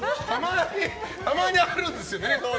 たまにあるんですよね。